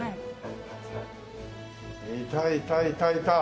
いたいたいたいた。